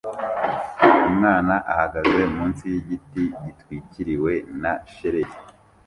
Umwana ahagaze munsi yigiti gitwikiriwe na shelegi